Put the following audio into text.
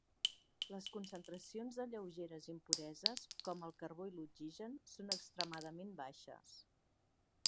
Les concentracions de lleugeres impureses, com el carbó i l'oxigen, són extremadament baixes.